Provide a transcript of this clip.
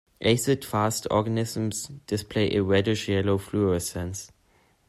Acid-fast organisms display a reddish-yellow fluorescence.